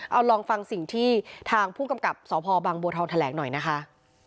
เอาลองฟังสิ่งที่ทางผู้กำกับสพบังบัวทองแถลงหน่อยนะคะ